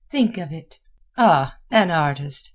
Think of it!" "Ah! an artist!